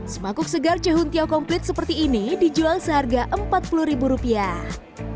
semangkuk segar cehuntia komplit seperti ini dijual seharga empat puluh ribu rupiah